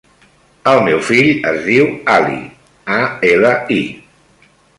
El meu fill es diu Ali: a, ela, i.